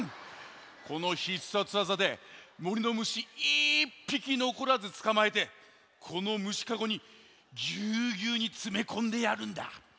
このひっさつわざでもりの虫１ぴきのこらずつかまえてこの虫カゴにギュウギュウにつめこんでやるんだ。